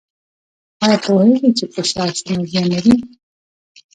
ایا پوهیږئ چې فشار څومره زیان لري؟